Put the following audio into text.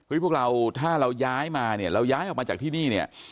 พวกเราถ้าเราย้ายมาเนี่ยเราย้ายออกมาจากที่นี่เนี่ย